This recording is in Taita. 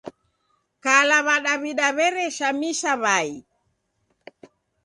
Kala W'adaw'ida weredoshamisha w'ai.